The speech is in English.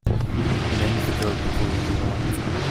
Mend the coat before you go out.